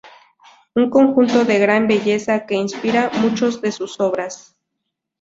Un conjunto de gran belleza, que inspira muchas de sus obras.